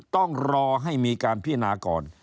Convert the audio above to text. ต้องรอให้มีการพินาก่อน